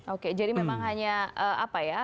oke jadi memang hanya apa ya